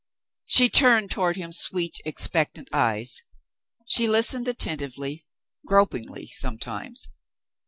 She turned toward him sweet, expectant eyes. She lis tened attentively, gropingly sometimes.